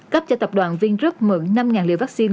cấp cho tập đoàn vingroup mượn năm liều vaccine